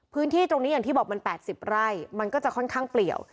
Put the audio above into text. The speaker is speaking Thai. พื้นที่ตรงนี้อย่างที่บอกมัน๘๐ไร่มันก็จะค่อนข้างเปลี่ยว